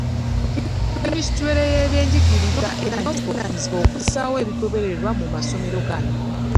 Minisitule y’ebyenjigiriza erina obuvunaanyizibwa okussaawo ebigobererwa mu masomero gano.